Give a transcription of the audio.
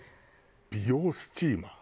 美容スチーマー。